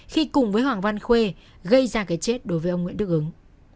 khi cùng với hoàng văn khuê gây ra cái chết đối với ông nguyễn đức ứng